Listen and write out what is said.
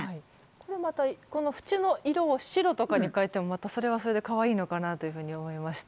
これまたこの縁の色を白とかに変えてもまたそれはそれでかわいいのかなというふうに思いました。